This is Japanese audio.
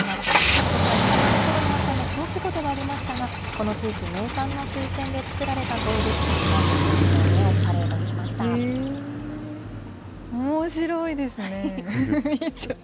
ことしは新型コロナのため、小規模ではありましたが、この地域名産の水仙で作られた動物たちが湖の上をパレードしましおもしろいですね。